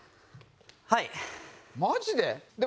はい。